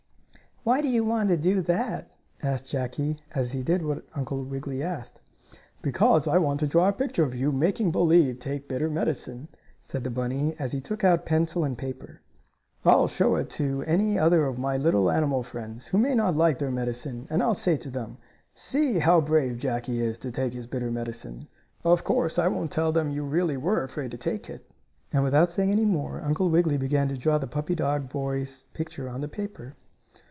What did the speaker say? "Why do you want me to do that?" asked Jackie, as he did what Uncle Wiggily asked. "Because I want to draw a picture of you making believe take bitter medicine," said the bunny, as he took out pencil and paper. "I'll show it to any other of my little animal friends, who may not like their medicine, and I'll say to them: 'See how brave Jackie is to take his bitter medicine.' Of course, I won't tell them you really were afraid to take it," and without saying any more Uncle Wiggily began to draw the puppy dog boy's picture on the paper.